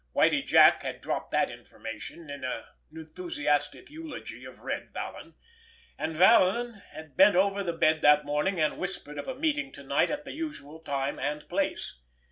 Whitie Jack had dropped that information in an enthusiastic eulogy of Red Vallon. And Vallon had bent over the bed that morning and whispered of a meeting to night at the usual time and place.